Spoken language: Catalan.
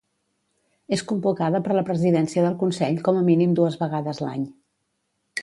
És convocada per la Presidència del Consell com a mínim dues vegades l'any.